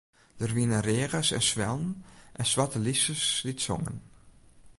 Der wiene reagers en swellen en swarte lysters dy't songen.